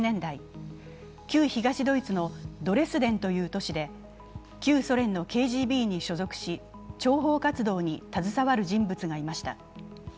旧東ドイツのドレスデンという都市で旧ソ連のＫＧＢに所属し諜報活動に携わる人物がいました。